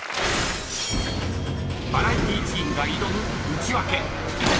［バラエティチームが挑むウチワケ］